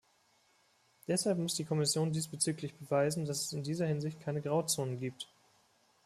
Deshalb muss die Kommission diesbezüglich beweisen, dass es in dieser Hinsicht keine Grauzonen gibt.